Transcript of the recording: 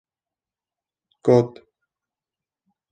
Got: